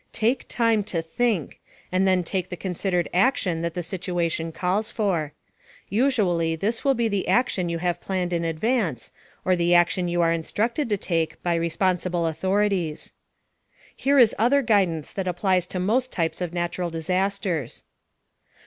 Take time to think, and then take the considered action that the situation calls for. Usually, this will be the action you have planned in advance, or the action you are instructed to take by responsible authorities. Here is other guidance that applies to most types of natural disasters.